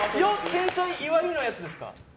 天才・岩井！のやつですか？